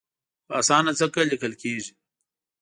په اسانه ځکه لیکل کېږي.